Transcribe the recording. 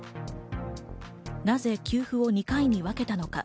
なぜ給付を２回に分けたのか？